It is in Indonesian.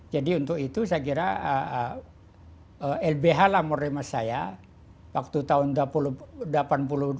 jadi untuk itu saya kira lbh lah murid masyarakat saya